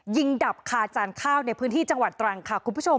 ยิงดับคาจานข้าวในพื้นที่จังหวัดตรังค่ะ